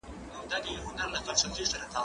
که وخت وي، ځواب ليکم؟؟